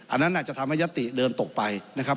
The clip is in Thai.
อันนั้นอาจจะทำให้ยัตติเดินตกไปนะครับ